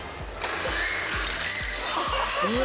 うわ。